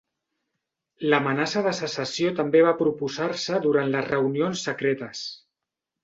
L'amenaça de secessió també va proposar-se durant les reunions secretes.